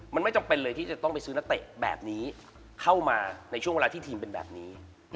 มันไม่จำเป็นเลยที่จะต้องไปซื้อนักเตะแบบนี้เข้ามาในช่วงเวลาที่ทีมเป็นแบบนี้